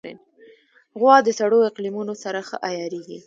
غوا د سړو اقلیمونو سره ښه عیارېږي.